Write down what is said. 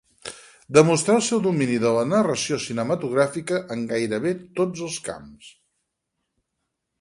Demostrà el seu domini de la narració cinematogràfica en gairebé tots els camps.